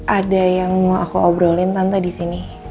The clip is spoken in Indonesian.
ada yang mau aku obrolin tante disini